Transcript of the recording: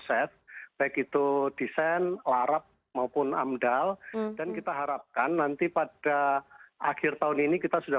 set baik itu desain larap maupun amdal dan kita harapkan nanti pada akhir tahun ini kita sudah